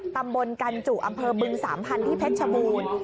ตำบลกันจุอำเภอบึงสามพันธุ์ที่เพชรชบูรณ์